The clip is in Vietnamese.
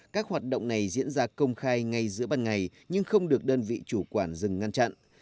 các hoạt động này diễn ra công khai ngay giữa ban ngày nhưng không được đơn vị chủ quản dừng ngăn chặn